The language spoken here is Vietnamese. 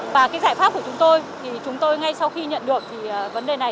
và cái giải pháp của chúng tôi thì chúng tôi ngay sau khi nhận được thì vấn đề này